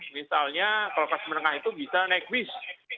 misalnya kalau kelas menengah itu bisa naik bis